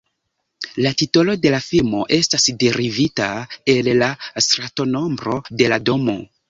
La titolo de la filmo estas derivita el la stratonombro de la domo.